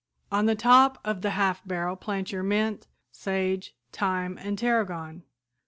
On the top of the half barrel plant your mint, sage, thyme and tarragon.